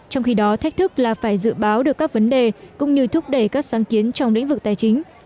trong khi đó thách thức là phải dự báo được các vấn đề cũng như thúc đẩy các sáng kiến trong lĩnh vực tài chính